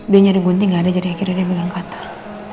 dia nyari ngunti gak ada jadi akhirnya dia megang cutter